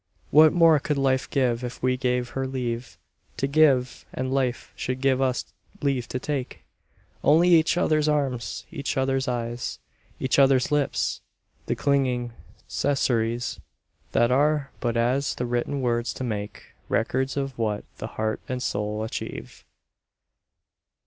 What more could Life give if we gave her leave To give, and Life should give us leave to take? Only each other's arms, each other's eyes, Each other's lips, the clinging secrecies That are but as the written words to make Records of what the heart and soul achieve.